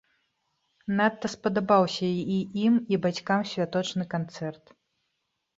Надта спадабаўся і ім, і бацькам святочны канцэрт.